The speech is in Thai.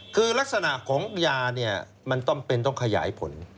คือลักษณะของยาเนี่ยมันต้องเป็นต้องขยายผล